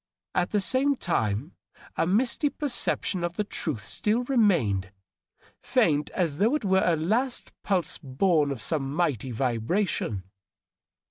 At the same time a misty perception of the truth still remained, faint as though it were a last pulse bom of some mighty vibration.